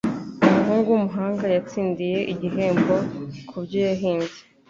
Umuhungu w'umuhanga yatsindiye igihembo kubyo yahimbye.